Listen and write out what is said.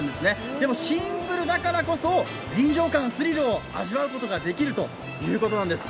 でもシンプルだからこそ臨場感、スリルを味わうことができるということなんです。